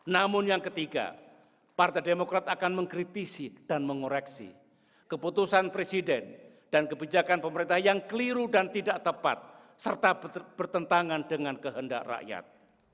namun yang ketiga partai demokrat akan mengkritisi dan mengoreksi keputusan presiden dan kebijakan pemerintah yang keliru dan tidak tepat serta bertentangan dengan kehendak rakyat